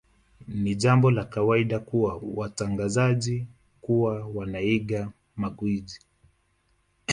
Ni jambo la kawaida kwa watangazaji kuwa wanaiga magwiji